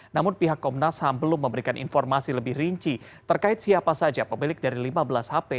namun pihak komnas ham belum memberikan informasi lebih rinci terkait siapa saja pemilik dari lima belas hp